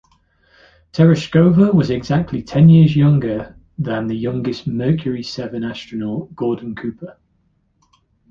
Tereshkova was exactly ten years younger than the youngest Mercury Seven astronaut, Gordon Cooper.